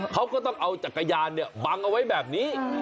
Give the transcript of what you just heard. เขาก็ต้องเอาจักรยานเนี่ยบังเอาไว้แบบนี้